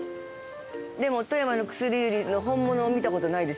でも富山の薬売りの本物を見たことないでしょ？